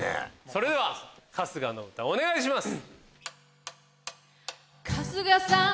それでは春日の歌お願いします。